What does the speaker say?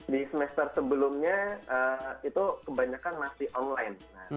di semester sebelumnya itu kebanyakan masih online